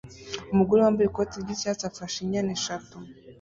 Umugore wambaye ikoti ryatsi afashe inyana eshatu